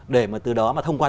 để từ đó mà thông qua